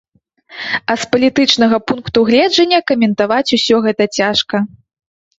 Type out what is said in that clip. А з палітычнага пункту гледжання каментаваць усё гэта цяжка.